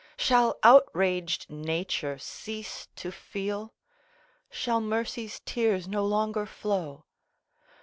Shall outraged Nature cease to feel? Shall Mercy's tears no longer flow?